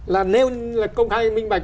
là nêu công khai minh bạch